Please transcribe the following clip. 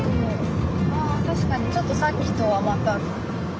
あ確かにちょっとさっきとはまた。